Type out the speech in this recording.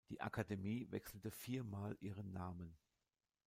Die Akademie wechselte vier mal ihren Namen.